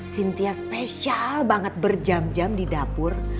cynthia spesial banget berjam jam di dapur